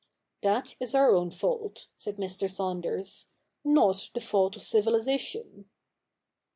'That is our own fault,' said Mr. Saunders, 'not the fault of civilisation.'